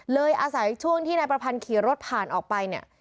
อาศัยช่วงที่นายประพันธ์ขี่รถผ่านออกไปเนี่ย